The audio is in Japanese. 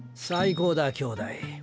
最高だ兄弟。